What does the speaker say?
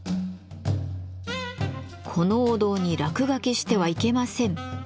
「このお堂に落書きしてはいけません」。